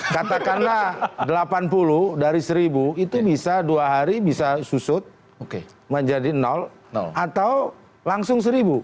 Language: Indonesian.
katakanlah delapan puluh dari seribu itu bisa dua hari bisa susut menjadi atau langsung seribu